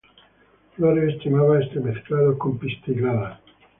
Flores estaminadas entremezclados con pistiladas.